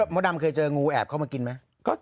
มดดำเคยเจองูแอบเข้ามากินไหม